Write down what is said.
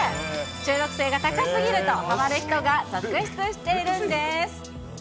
中毒性が高すぎると、はまる人が続出しているんです。